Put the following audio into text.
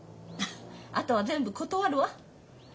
あとは全部断るわ。